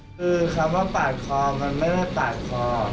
คือคำว่าปาดคอมันไม่ได้ปาดคอ